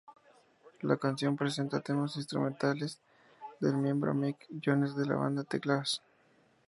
La canción presenta temas instrumentales del miembro Mick Jones de la banda "The Clash".